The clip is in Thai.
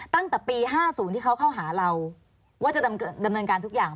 ตั้งแต่ปี๕๐ที่เขาเข้าหาเราว่าจะดำเนินการทุกอย่าง